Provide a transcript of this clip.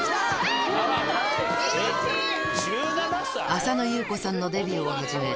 浅野ゆう子さんのデビューをはじめ、